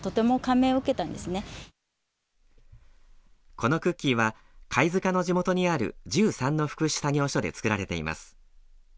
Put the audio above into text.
このクッキーは貝塚の地元にある１３の福祉作業所で作られています。